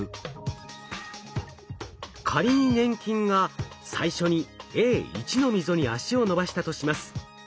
仮に粘菌が最初にＡ１の溝に足を伸ばしたとします。